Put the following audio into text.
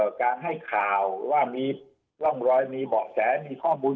ผมว่าอัยการเนี่ยนะครับจะต้องเรียกคนนะครับ